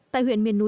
tại huyện miền núi